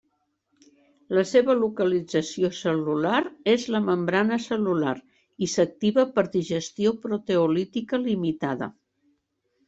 La seva localització cel·lular és la membrana cel·lular i s'activa per digestió proteolítica limitada.